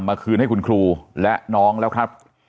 คืนให้คุณครูและน้องแล้วครับ